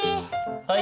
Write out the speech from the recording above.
はい！